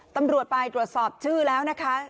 ตำรวจไปตรวจสอบชื่อแล้วนะคะ